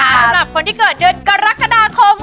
สำหรับคนที่เกิดเดือนกรกฎาคม